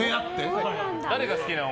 誰が好きなの？